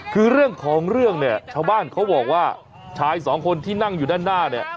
คือเรื่องของเรื่องเนี่ยชาวบ้านเขาบอกว่าชายสองคนที่นั่งอยู่ด้านหน้าเนี่ย